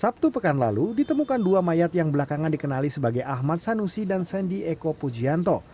sabtu pekan lalu ditemukan dua mayat yang belakangan dikenali sebagai ahmad sanusi dan sandy eko pujianto